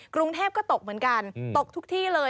กรุงเทพก็ตกเหมือนกันตกทุกที่เลย